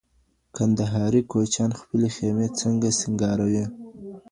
کندهاري کوچیان خپلي خیمې څنګه سینګاروي؟